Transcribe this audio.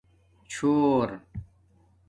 چھݸر